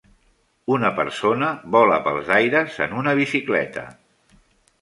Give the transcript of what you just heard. Una persona vola pels aires en una bicicleta.